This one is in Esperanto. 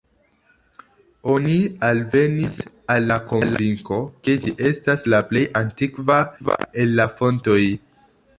Oni alvenis al la konvinko ke ĝi estas la plej antikva el la fontoj.